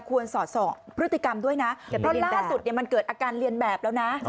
สอดส่องพฤติกรรมด้วยนะเพราะล่าสุดมันเกิดอาการเรียนแบบแล้วนะ